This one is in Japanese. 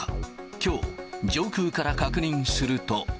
きょう上空から確認すると。